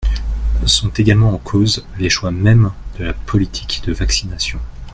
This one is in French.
Sont également en cause les choix mêmes de la politique de vaccination.